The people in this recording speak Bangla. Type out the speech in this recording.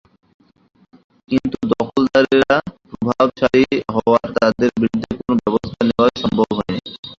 কিন্তু দখলদারেরা প্রভাবশালী হওয়ায় তাঁদের বিরুদ্ধে কোনো ব্যবস্থা নেওয়া সম্ভব হয়নি।